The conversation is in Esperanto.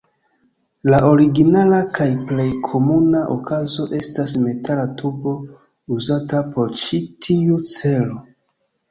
La originala kaj plej komuna okazo estas metala tubo uzata por ĉi tiu celo.